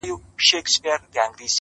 نن شپه د ټول كور چوكيداره يمه!!